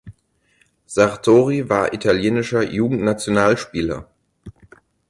Sartori war italienischer Jugendnationalspieler.